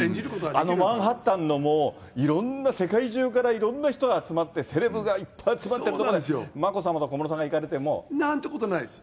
あのマンハッタンのいろんな、世界中からいろんな人が集まって、セレブがいっぱい集まっている所に、眞子さまと小室さんが行かれなんてことないです。